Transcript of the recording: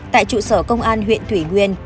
tại trụ sở công an huyện thủy nguyên